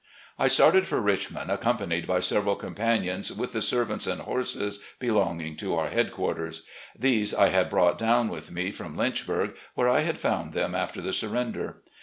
I started for Richmond, accompanied by several com panions, with the servants and horses belonging to our headquarters. These I had brought down with me from Lynchburg, where I had found them after the smrender.